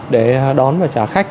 để đón và trả khách